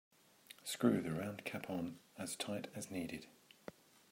Screw the round cap on as tight as needed.